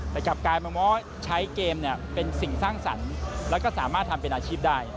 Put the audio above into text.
แต่กลับกลายมาว่าใช้เกมเป็นสิ่งสร้างสรรค์แล้วก็สามารถทำเป็นอาชีพได้